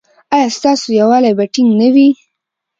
ایا ستاسو یووالي به ټینګ نه وي؟